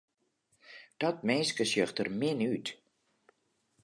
Dat minske sjocht der min út.